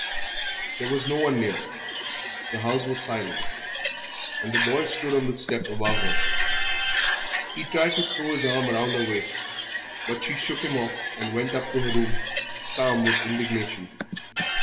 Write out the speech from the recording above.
There was no one near, the house was silent, and the boy stood on the step above her. He tried to throw his arm round her waist, but she shook him off and went up to her room calm with indignation.